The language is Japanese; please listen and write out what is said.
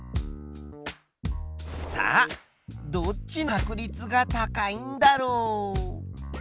さあどっちの確率が高いんだろう？